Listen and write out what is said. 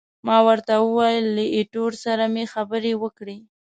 ما ورته وویل، له ایټور سره مې خبرې وکړې.